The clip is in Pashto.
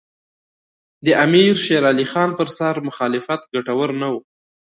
د امیر شېر علي خان پر سر مخالفت ګټور نه وو.